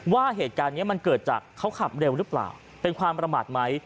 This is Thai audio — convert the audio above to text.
ว่าเหตุการณ์นี้มันเกิดจากเขาขับเร็วหรือเปล่าเป็นความประมาทไหม